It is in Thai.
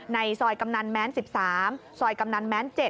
ในซอยกำนันแม้น๑๓ซอยกำนันแม้น๗